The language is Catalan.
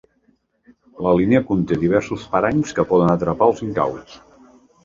La línia conté diversos paranys que poden atrapar els incauts.